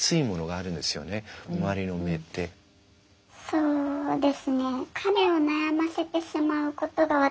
そうですね。